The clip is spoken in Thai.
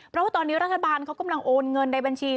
เพราะว่าตอนนี้รัฐบาลเขากำลังโอนเงินในบัญชี